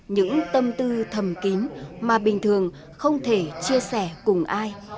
những tâm tư thầm kín mà bình thường không thể chia sẻ cùng ai